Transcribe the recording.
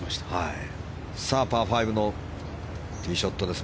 パー５のティーショットです。